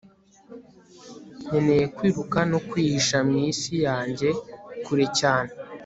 nkeneye kwiruka no kwihisha mwisi yanjye kure cyane